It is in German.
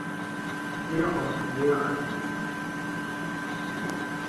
Sehr oft mehr als Männer.